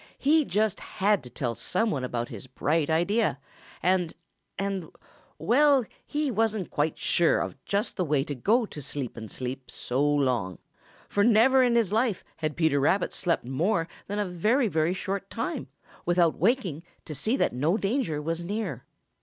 He just had to tell some one about his bright idea and and well, he wasn't quite sure of just the way to go to sleep and sleep so long, for never in his life had Peter Rabbit slept more than a very, very short time without waking to see that no danger was near.